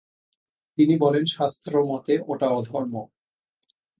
তিনি বলেন শাস্ত্রমতে ওটা অধর্ম।